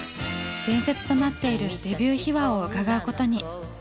伝説となっているデビュー秘話を伺うことに。